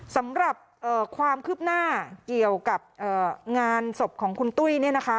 สำหรับความคืบหน้าเกี่ยวกับงานศพของคุณตุ้ยเนี่ยนะคะ